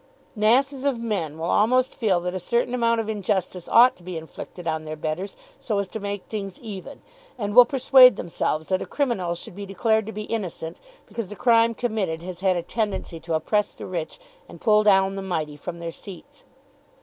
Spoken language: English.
Masses of men will almost feel that a certain amount of injustice ought to be inflicted on their betters, so as to make things even, and will persuade themselves that a criminal should be declared to be innocent, because the crime committed has had a tendency to oppress the rich and pull down the mighty from their seats.